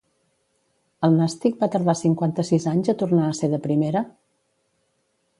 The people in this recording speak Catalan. El Nàstic va tardar cinquanta-sis anys a tornar a ser de primera?